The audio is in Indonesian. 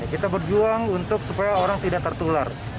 kita berjuang untuk supaya orang tidak tertular